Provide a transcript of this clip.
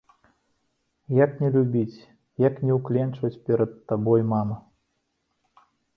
Як не любіць, як не ўкленчваць перад табой, мама?!